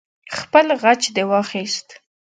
خپل غچ دې واخست.